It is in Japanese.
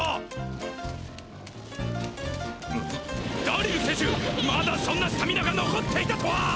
ダリルせんしゅまだそんなスタミナがのこっていたとは！